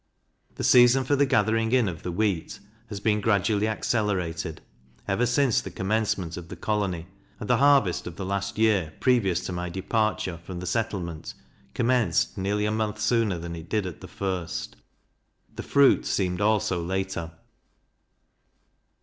The season for the gathering in of the wheat has been gradually accelerated, ever since the commencement of the colony; and the harvest of the last year previous to my departure from the settlement, commenced nearly a month sooner than it did at the first: The fruit seemed also later.